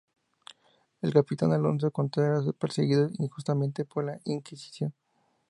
El capitán Alonso Contreras es perseguido injustamente por la Inquisición.